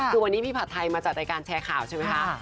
คือวันนี้พี่ผัดไทยมาจัดรายการแชร์ข่าวใช่ไหมคะ